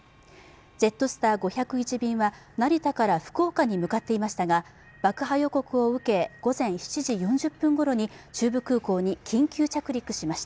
ジェットスター５０１便は成田から福岡に向かっていましたが爆破予告を受け、午前７時４０分ごろに中部空港に緊急着陸しました。